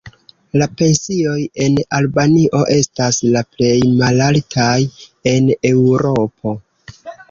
La pensioj en Albanio estas la plej malaltaj en Eŭropo.